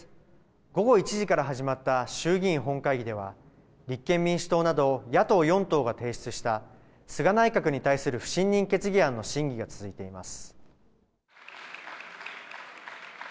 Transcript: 午後１時から始まった衆議院本会議では、立憲民主党など野党４党が提出した菅内閣に対する不信任決議案の審議が続いています。